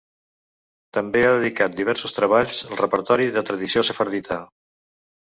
També ha dedicat diversos treballs al repertori de tradició sefardita.